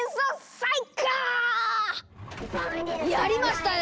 やりましたね